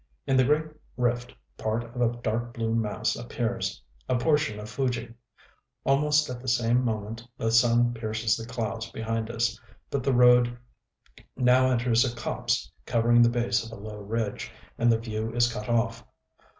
In the great rift part of a dark blue mass appears, a portion of Fuji. Almost at the same moment the sun pierces the clouds behind us; but the road now enters a copse covering the base of a low ridge, and the view is cut off....